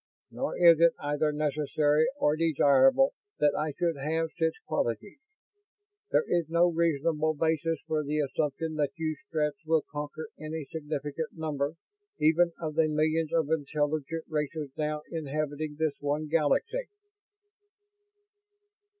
Nor is it either necessary or desirable that I should have such qualities. There is no reasonable basis for the assumption that you Stretts will conquer any significant number even of the millions of intelligent races now inhabiting this one Galaxy."